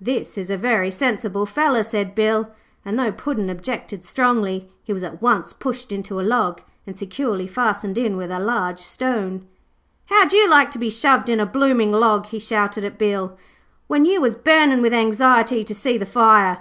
'This is a very sensible feller,' said Bill, and though Puddin' objected strongly, he was at once pushed into a log and securely fastened in with a large stone. 'How'd you like to be shoved in a blooming log,' he shouted at Bill, 'when you was burning with anxiety to see the fire?'